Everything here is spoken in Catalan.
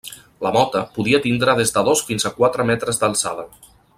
La mota, podia tindre des de dos fins a quatre metres d'alçada.